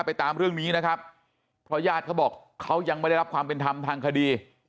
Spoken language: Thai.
ตามเรื่องนี้นะครับเพราะญาติเขาบอกเขายังไม่ได้รับความเป็นธรรมทางคดี